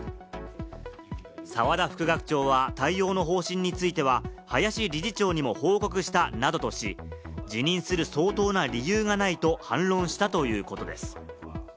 澤田副学長は対応の方針については、林理事長にも報告したなどとし、辞任する相当な理由がないと反論したということです。